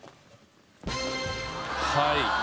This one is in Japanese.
はい。